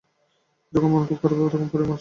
যখন মন খুব খারাপ হয় তখন পড়ি-মন শান্ত করি।